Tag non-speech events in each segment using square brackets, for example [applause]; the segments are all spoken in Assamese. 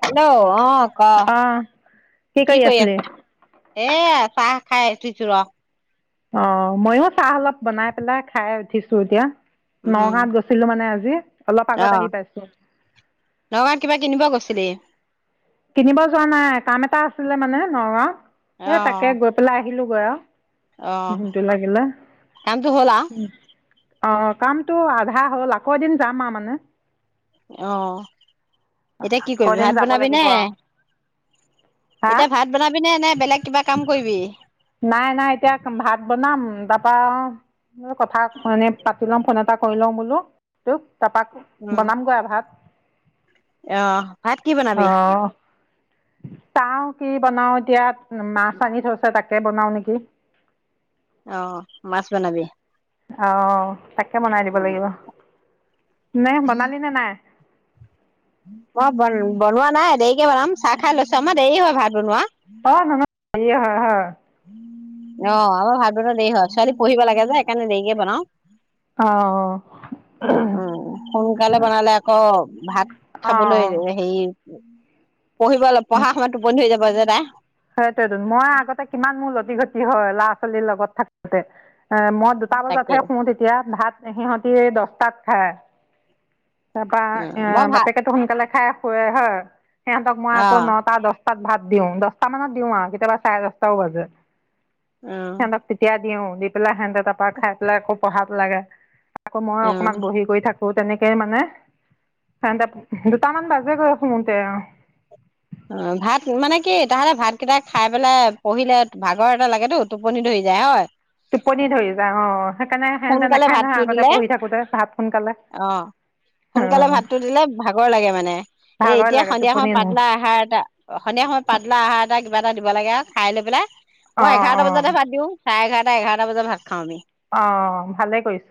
হেল্ল' অ ক। অঁ কি কৰি আছ? এ চাহ খাই উঠিছো ৰ অ ময়ো চাহ অলপ বনাই পেলাই খাই উঠিছো এতিয়া নগাঁৱত গৈছিলো মানে আজি জি আহ নগাওঁত কিবা কিনিব গৈছিলি? কিনিব যোৱা নাই কাম এটা আছিলে মানে নগাঁৱত এ তাকে গৈ পেলাই আহিলোগৈ আৰু আহ। দিনটো লাগিলে কামটো হ'ল আৰু? অ কামটো আধা হল আকৌ এদিন যাম আৰু মানে। অ এতিয়া কি আকৌ কৰিবি এদিন ভাত যাব বনাবি হা নে লাগিব এতিয়া ভাত বনাবি নে নে বেলেগ কিবা কাম কৰিবি নাই নাই এতিয়া ভাত বনাম তাৰপা কথা মানে পাতি লম ফোন এটা কৰি লওঁ বোলো তোক তাৰপা উম বনামগৈ আৰু ভাত অ ভাত কি অ বনাবি চাওঁ কি বনাও এতিয়া মাছ আনি থৈছে তাকে বনাও নেকি? অ মাছ বনাবি? আহ তাকে বনাই দিব লাগিব। নে বনালি নে নাই? মই বন বনোৱা নাই দেৰিকে বনাম চাহ খাই লৈছো আমাৰ দেৰি হয় ভাত বনোৱা। অ নহয় তো হা হা অ আমাৰ ভাত বনোৱা দেৰি হয়। ছোৱালী পঢ়িব লাগে যে সেইকাৰণে দেৰিকে বনাওঁ। অঁ উম সোনকালে বনালে আকৌ ভাত খাবলৈ অঁ হেৰি উম পঢিবলা পঢ়া সময়ত টোপনি ধৰি যাব যে পায় সেইটোৱেইটো মই আগতে কিমান মোৰ ল লতি ঘতি হয় ল'ৰা ছোৱালীৰ লগত থাকোতে এ মই দুটা তাকে বজাতহে শুওঁ তেতিয়া ভাত সিহঁতি এই দহটাত হা তাৰপা অ এ মই ভাল বাপেকেতো সোনকালে খাই হয় হয় সিহঁতক মই অ আকৌ নটা দহ তাত ভাত দিওঁ দহটা মানত দিওঁ আৰু কেতিয়াবা চাৰে দচটাও বাজে অ সিহঁতক তেতিয়া দিওঁ দি পেলাই সিহঁতে তাৰপা খাই পেলাই আকৌ পঢ়াব লাগে আকৌ মই অ অকণমান বহি কৰি থাকো ব তেনে কে মানে দুটামান বাজে গৈ শুতে উম অ ভাত মানে কি তাহলে ভাত কেইটা খাই পেলাই পঢ়িলে ভাগৰ এটা লাগেতো টোপনি ধৰি যায় হয় টোপনি ধৰি যায় অ সোনকালে ভাতটো দিলে ভাত সোনকালে অ সোনকালে অঁ ভাতটো দিলে ভাগৰ লাগে মানে এ ভাগৰ এতিয়া লাগে সন্ধিয়া টোপনি সময় ধৰে পাতলা আহাৰ এটা সন্ধিয়া সময় পাতলা আহাৰ এটা কিবা এটা দিব লাগে আও খাই লৈ পেলাই মই অঁ এঘাৰটা অঁ বজাতে ভাত দিও চাৰে এঘাৰ সদায় এঘাৰটা বজাত ভাত খাওঁ আমি অঁ ভালেই কৰিছ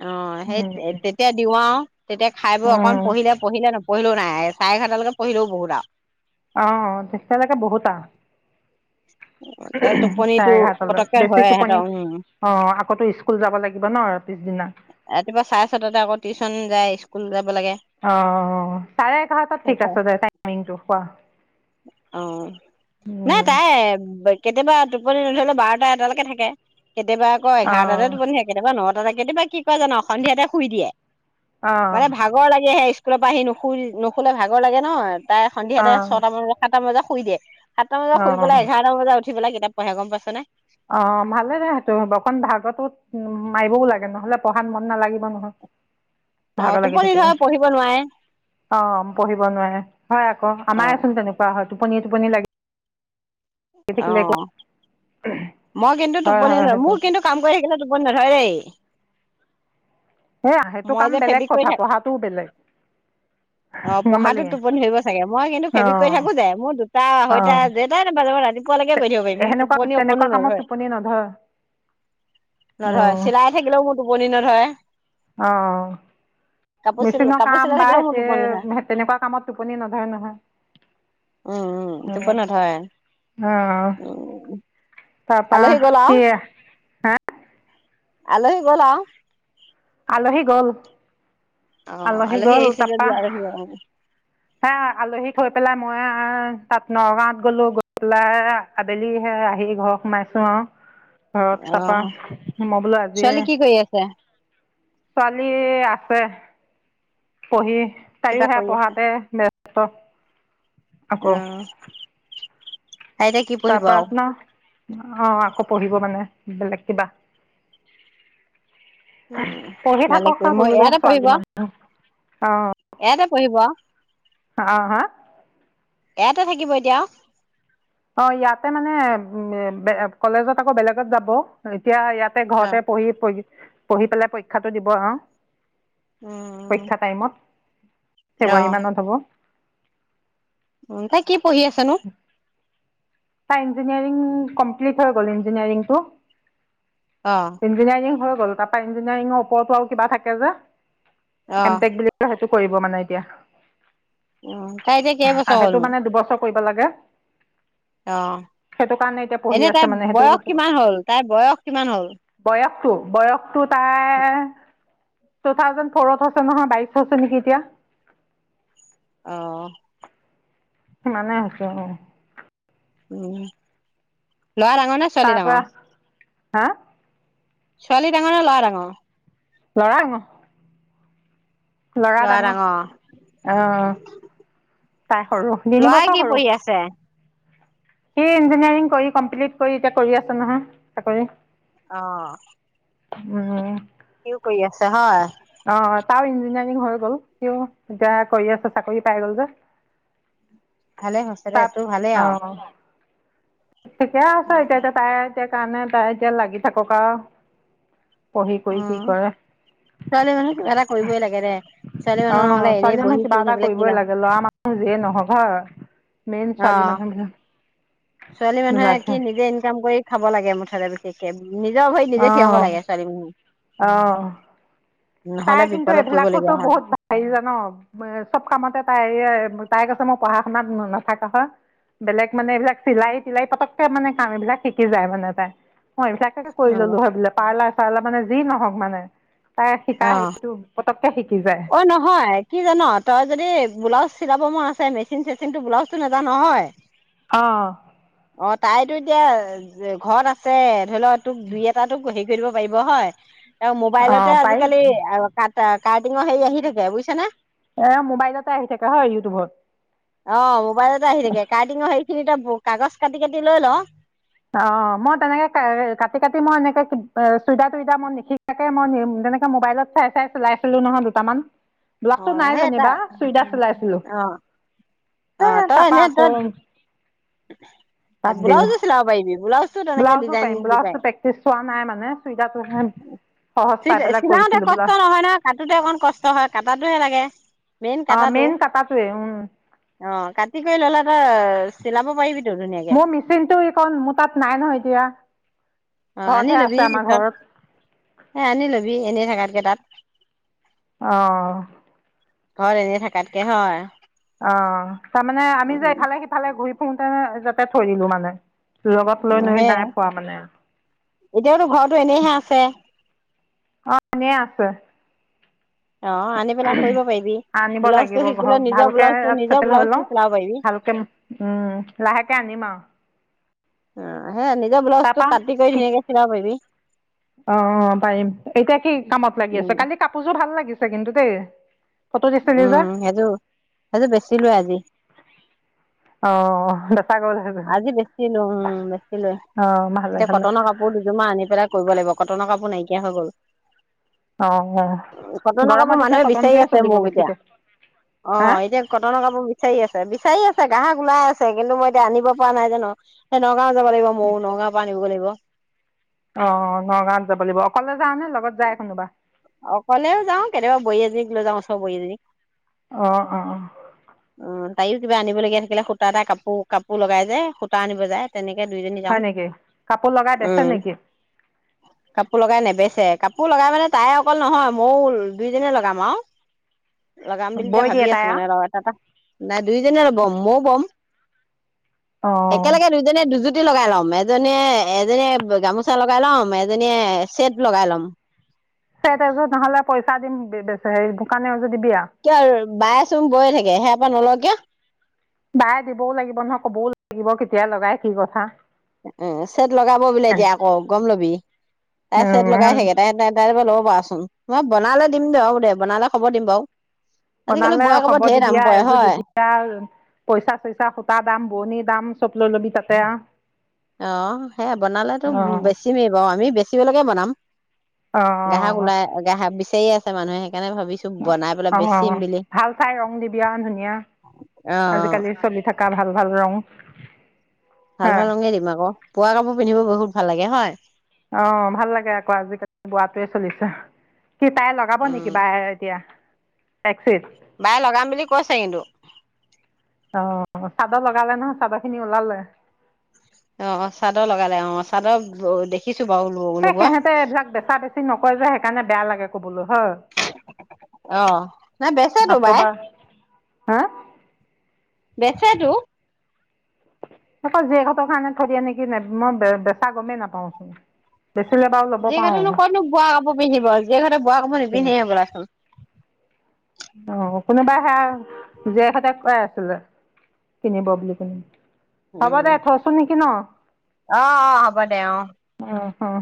আহ সেই তেতিয়া দিওঁ আও তেতিয়া খাই বই অকমান পঢ়িলে পঢ়িলে নপ পঢ়িলেও নাই চাৰে এঘাৰটালৈকে পঢ়িলেও বহুত আও অ তেতিয়ালৈকে বহুত আও তাতে টোপনিটো এঘাৰটালৈ পতককে বেছি হয় টোপনি সহতৰ উম অঁ আকৌতো স্কুল যাব লাগিব ন পিছদিনা ৰাতিপুৱা চাই আছো তাতে আকৌ টিউশচন যায় কুললদ অ চাৰে এঘাৰটাত ঠিক আছে দে টাইিংটো কোৱা অ নাই উ তাই কেতিয়াবা টোপনি নধৰিলেও বাৰটা এটালৈকে থাকে কেতিয়াবা আকৌ অ এঘাৰটাতেটোপন্ধে কেতিয়াবা ন ততে কেতিয়াবা কি কয় জানো সন্ধিয়াতে শুই দিয়ে অ মানে ভাগৰ লাগেহে স্কুল পা আহি নুখু নুখুলে ভাগৰ লাগে ন তাই অ সন্ধিয়াতে ছয়টামান সাতটাম বজাত শুই দিয়ে সাতটান মান বজাত অ শুই পেলাই আহছে এঘাৰটা বজাত সেইফালে কিতাপ পঢ়াঁই গম পাইছনে। অ অ ভালেদে সেইটো অকণ ভাগৰ টো মাৰিবও লাগে নহ'লে পঢ়াত মন নেলাগিব নহয় অ ভাগৰ লাগি টোপনি থাকিলে ধৰে পঢ়িব নোৱাৰে অ পঢ়িব নোৱাৰে হয় আকৌ অ আমাৰচোন তেনেকুৱা হয়। টোপনি টোপনি লাগে! অ! মই কিন্তু হয় টোপনি হয় সেইটো মোৰ কিন্তু কাম কৰি থাকিলেও টোপনি টোপনি নধৰে দেই। সেয়া সেইটো মই কাম যে বেলেগ ফেব্ৰিক কৰি কথা থাক পঢ়াটোও বেলেগ। অ গম পালি পঢ়াটো টোপনি ধৰিব চাগে! মই কিন্তু অ ফেব্ৰিক কৰি থাকো যে, মোৰ দুটা অ আঢ়ৈতা জেতাই নবাজক ৰাতিপুৱালৈকে কৰি থাকিব পাৰিম মোৰ সেনেকুৱা টোপনি তেনেকুৱা অকণো কামত নধৰে, টোপনি নধৰে অ নধৰে চিলাই থাকিলেও মোৰ টোপনি নধৰে। অ কাপোৰ চিল মেচিনৰ কাপোৰ কাম চিলাই বাও থাকিলেও মোৰ হৈছে টোপনি নধৰে । তেনেকুৱা কামত টোপনি নধৰে উম উম নহয় অ টোপনি নধৰে অ উম তাপা আলহী গ'ল কি হে। আলহি গ'ল আৰু আলহি গ'ল অঁ আলহী গ'ল আহিছে যদি তাৰপা হে আলহী থৈ পেলাই মই তাত নগাঁৱত গলো গৈ পেলাই আবেলি হে আহি ঘৰ সোমাইছো অঁ ঘৰত তাৰাপা সোমাবলৈ আজিয়ে ছোৱালী কি কৰি আছে ছোৱালী আছে পঢ়ি তাই কিবা ও সি কৰি পঢ়াতে ক অঁ তাই এতিয়া কি পঢ়িব আৰু অঁ আকৌ পঢ়িব মানে বেলেগ কিবা উম পঢ়ি থাকক বেলেগ আৰু কৈ বোলো দে ইয়াতে পঢ়িব ছোৱালী মানুহ ইয়াতে পঢ়িব! অ অ হা! এয়াতে থাকিব এতিয়া অঁ ইয়াতে মানে উ কলেজত আকৌ বেলেগত যাব এতিয়া ইয়াত এই অ ঘৰতে পঢ়ি পঢ়ি পঢ়ি পেলাই পৰীক্ষাটো দিব আৰু উম অ ফেব্ৰুৱাৰী মানত হ'ব [unintelligible] পঢ়ি আছা ন? তাৰ ইঞ্জিনিয়াৰিং কমপ্লিট হৈ গ'ল, ‌ অ', ইঞ্জিনিয়াৰিংটো। ইঞ্জিনিয়াৰিং হৈ গ'ল। হ'ল তাৰ পৰা ইঞ্জিনিয়াৰিঙৰ ওপৰতো আৰু কিবা থাকে যে অ', এম্পেক্ বুলি কিবা এটা কৰিব মানে এতিয়া তাৰ এতিয়া কেইবছৰ সেইটো হ'ল? মানে দুবছৰ কৰিব লাগে।‌ অ এনে তাই মানে সেইটো বয়স কিমান হ'ল? তাইৰ বয়স কিমান হ'ল? বয়সতো তাৰ [inaudible] টু থাউজেণ্ড ফ'ৰত আছে নহয, বাইশ হৈছে নেকি এতিয়া!? অ'! ইমানে হৈছে হয়! উম! ল'ৰা ডাঙৰ নে ছোৱালী তাৰ পৰা ডাঙৰ? হা? ছোৱালী ডাঙৰ নে ল'ৰা ডাঙৰ? ল'ৰা ডাঙৰ। ল'ৰা ডাঙৰ, আ'হ! ল'ৰায়ে কি পঢ়ি আছে? সি ইঞ্জিনিয়াৰিং কৰি, ‌ কমপ্লিট কৰি, এতিয়া কৰি আছে নহয়, চাকৰি। আ'হ! উম! কি কৰি আছে হয়? তাৰো ইঞ্জিনিয়াৰিং হৈ গ'ল, ‌ সিও এতিয়া কৰি আছে চাকৰি পাই গ'ল যে। ভালে হৈছে দে, তাত ‌তোৰ ভালেই আৰু।‌ অঁ ঠিকে আছে এতিয়া, ‌এতিয়া তাই সেই কাৰণে তাই এতিয়া লাগি থাকক আৰু। পঢ়ি পঢ়ি কি উম, কৰে! ছোৱালী মানুহ কিবা এটা কৰিবই লাগে দে। ছোৱালী মানুহ নহ'লে অ' এনেই ছোৱালী বহি জনীয়ে কিবা শুই এটা থাকিলে কি কৰিবই লাভ। লাগে, ল'ৰা মানুহ যিয়ে নহওক হয়। মেইন ছোৱালী অ', মানুহহে। ছোৱালী মানুহে কি নিজে ইনকাম কৰি খাব লাগে মুঠতে, বিশেষকে নিজৰ ভৰিত অ নিজে থিয় হ'ব লাগে ছোৱালী মানুহ। অ তাই নহ'লে কিন্তু বিপদত এইবিলাকোতো পৰিবলগীয়া হয় বহুত হি জান চব কামতে তাই তাই কৈছে মই পঢ়া শুনাত নথকা হয় বেলেগ মানে এইবিলাক চিলাই তিলাই পতককে মানে কাম এইবিলাক শিকি যায় মানে তাই মই এইবিলাক কৰি ললো অ', হয় বোলে পাৰ্লাৰ চালাৰ মানে যি নহওক মানে তাই শিকা অ', হেৰিটো পতককে শিকি যায় অ নহয় কি জান তই যদি বোলাচ চিলাব মন আছে মেচিন চেচিনত ব্লাজতো নেযা নহয় আহ অ তাইতো এতিয়া ঘৰত আছে ধৰি লওক তোক দুই এটা তোক কৰি দিব পাৰিব হয় আৰু অ মোবাইলতে পাৰি আজিকালি ক [unintelligible] মই হেৰি আহ থাকে বুজিছা নে এ মোবাইলতে আহি থাকে হয় ইউটিউবত অ মোবাইলত এ আহি থাকে কেৰাতিঙৰ সেইখিনিটো ব কাগজ কাটি কাটি লৈ ল অ মই তেনেকে কাটি কাটি মই এনেকে চুইদাৰ তুইদাৰ মই নিশিকাকে মই তেনেকে মোবাইলত চাই চাই চিলাইছিলো নহয় দুটামান অ, বোলাজতো নাই সেই যেনিবা তাৰ চুইদাৰ চলাইছিলো অ', অ তই এনে য বাদ দিলোঁ ব্লাউজো চিলাব পাৰিবি ব্লাউজটো তেনেকে ব্লাউজো ডিজাইন পাৰিম দি ব্লাউজটো পায় প্ৰেক্টিচ হোৱা নাই মানে চুইদাৰটোহে সহজ পাই পেলাই চিলাওতে কৰিছিলোঁ কষ্ট ব্লাউজ নহয় ন কাটোতে অকণ কষ্ট হয় কটাটোহে লাগে [unintelligible] মেইন অঁ কটাটো মেইন কটাটোৱে অ কাটি কৰি ললা হয় চিলাব পাৰিবি মোৰ মিচিনটো এইক মোৰ তাত নাই নহয় এতিয়া অ আনি ঘৰতহে লবি আছে আমাৰ পিছত ঘৰত এ আনি লবি এনেই থাকাতকে তাত আহ ঘৰত এনেই থকাতকে হয় অ তাৰমানে উ আমি যে ইফালে সিফালে ঘূৰি খুতে যাতে থৈ দিলো মানে লগত থৈ লৈ নাই পোৱা মানে এতিয়া তো ঘৰ টো এনেইহে আছে। অ এনে আছে। অ আনি পেলাই কৰিব পাৰিবি আনিব ব্লাউজটো লাগিব শিকিলে ঘৰ নিজৰ ভালকে ব্লাউজটো নিজৰ চেটেল হৈ ব্লাউজটো চিলাব লওঁ পাৰিবি ভালকে উম লাহেকে আনিম আৰু। অ। সেই নিজৰ ব্লাউজটো তাপা কাটি কৰি ধুনীয়াকে চিলাব পাৰিবি অ পাৰিম এতিয়া কি কামত লাগি আছে উম কালি কাপোৰযোৰ ভাল লাগিছে। কিন্তু দেই ফটো দিছিলি যে উম সেইযো সেইযো বেচিলো আজি। অ। আজি বেছিলো উম বেছি লৈ অঁ ভালে এতিয়া ভালে কটনৰ কাপোৰ দুযোৰ আনি পেলাই কৰিব লাগিব। কটনৰ কাপোৰ নাইকিয়া হৈ গ'ল। অঁ অঁ কটনৰ কাপোৰ গৰমত এতিয়া মানুহে বিচাৰি কটনটোৱে আছে চলিব মোক এতিয়া বেছিকৈ অ হা এতিয়া কটনৰ কাপোৰ বিচাৰি আছে বিচাৰি আছে। গ্ৰাহক ওলাই আছে কিন্তু মই। আনিব পৰা নাই জানো হেতক। না যাব লাগিব মৌ নগাঁও পৰা আনিব লাগিব। অ নগাঁৱত যাব লাগিব অকলে যা নে লগত যায় কোনোবা। অকলেও যাওঁ কেতিয়াবা বোৱাৰী এজনীক লৈ যাওঁ চব লগৰী এজনীক। অ অ অ অ তাইও কিবা আনিব লগীয়া থাকিলে সূতা এটা কাপোৰ কাপোৰ লগাই যায় সূতা আনিব যায় তেনেকে। দুইজনী যাও হয় নেকি কাপোৰ লগাই বেচে উম নেকি কাপোৰ লগাই নেবেচে। কাপোৰ লগাই মানে তাই অকল নহয় ময়ো দুইজনে লগাম আৰু। লগাম বুলি এ বৈ ভাবি দিয়ে তাই আছোঁ আৰু মানে ৰ এটা থাপা। নাই। দুইজনৰ ব'ম ময়ো বম। অঁ একেলগে দুইজনীয়ে দুযো। কি লগাই ল'ম এজনীয়ে এজনীয়ে ।গামোচা লগাই ল'ম এজনীয়ে চেট লগাই ল'ম। সেই তাৰপিছত নহলে পইচা দিমে স দোকানে। দিবিয়াও। বাই চোন বৈয়ে থাকে সেয়াৰ পৰা নল কিয়। বায় দিবও লাগিব নহয় ক'বও লাগিব কেতিয়া। লগাই কি কথা। উম চেট লগাব বোলে এতিয়া আকৌ গম ল'বি তাই চেছট লগাই উম থাকে তাই তাই ল'ব পাৰ। চোন মই বনালে দিম দে দে বনালে খবৰ দিম বাৰু। আজিকালি বনালে বোৱা কাপোৰ হব ঢেৰ দাম দিবিয়া পৰে এযোৰ হয় দিবিয়া পইচা চইচা সুতা দাম বোৱনিৰ দাম চব লৈ লবি তাতে। তাতে। অ সেয়া বনালেতো অঁ বেছিমেই বাৰু আমি বে। চিিবেলকে বনাম [inaudible] গ্ৰাহক অঁ ওলাই গ্ৰাহক স আছে মানুহে। সেইকাৰণে ভাবিছো বনাই পেলাই অ বেচিম বুলি ভাল চাই ৰং দিবিা ধুনীয়া অ আজিকালি চলি থকা ভাল ভাল ৰং। ভাল হয় ভাল ৰং দিম আকৌ বোৱা কাপোৰ পিন্ধিব বহুত। ভাল লাগে হয়। অ ভাল লাগে আকৌ আজিকালি বোৱাটোৱে চলিছে। সি তাই লগাব নেকি উম বা এতিয়া। টেক্সি। বাই লগাম বুলি কৈছে কিন্তু। অ চাদৰ লগালে নহয় চাদৰ খিনি ওলালে। অ চাদৰ লগালে অ চাদৰ দেখিছো। বাৰু এই লগোৱা সিহঁতে এইবিলাক বেচা বেছি নকয় যে সেইকাৰণে বেয়া লাগে কবলৈ হয অ নাই বেচেতো বাই আকৌবাৰ হা। বেচেটো। আকৌ জীয়েকহঁতৰ কাৰণে থৈ দিয়ে নেকি মই বেচা গমেই নাপাওচোন। জীয়েকহতেনো কতনো বোৱা কাপোৰ পিন্ধিব জীয়েকহতে বোৱা কাপোৰ নিপিন্ধে বোৱাচোন। অ কোনোবাই সে জীয়েকহঁতে কাই আছিলে কিনিব বুলি কোন। উম আহ আহ হ'ব দে আহ। অঁ অঁ।